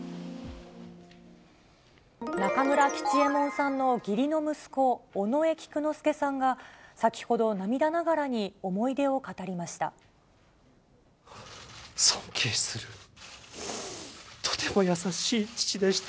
中村吉右衛門さんの義理の息子、尾上菊之助さんが、先ほど、涙ながらに思い出を語りました。